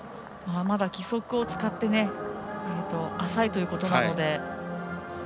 まだ義足を使って浅いということなので。